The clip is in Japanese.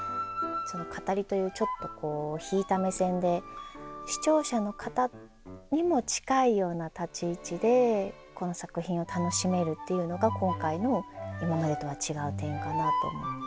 語りというちょっとこう引いた目線で視聴者の方にも近いような立ち位置でこの作品を楽しめるっていうのが今回の今までとは違う点かなと思って。